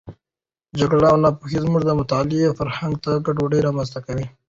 جګړه او ناپوهي زموږ د مطالعې فرهنګ ته ګډوډي رامنځته کړې.